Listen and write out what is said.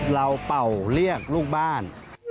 เป่าเรียกลูกบ้าน